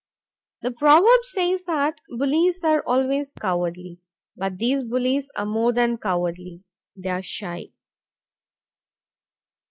The proverb says that bullies are always cowardly, but these bullies are more than cowardly; they are shy.